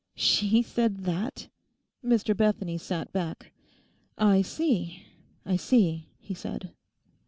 'She said that!' Mr Bethany sat back. 'I see, I see,' he said.